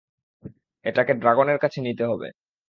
এটাকে ড্রাগনের কাছে নিতে হবে।